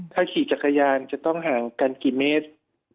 ถ้าขี่จักรยานจะต้องห่างกันกี่เมตร